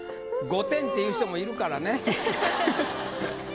５点っていう人もいるからね。